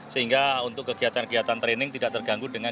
sehingga untuk kegiatan kegiatan training tidak terganggu dengan